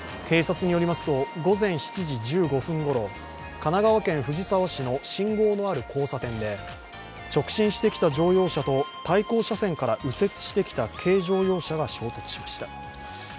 警察によりますと、午前７時１５分ごろ、神奈川県藤沢市の信号のある交差点で直進してきた乗用車と対向車線から右折してきた軽乗用車が衝突しました。